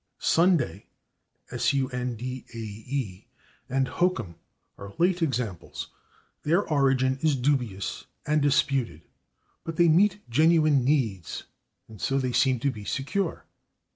/Sundae/ and /hokum/ are late examples; their origin is dubious and disputed, but they met genuine needs and so they seem to be secure.